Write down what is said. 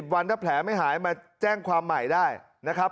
วันถ้าแผลไม่หายมาแจ้งความใหม่ได้นะครับ